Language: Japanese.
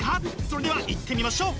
それではいってみましょう！